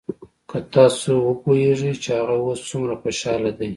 که تاسو وپويېګئ چې هغه اوس سومره خوشاله دى.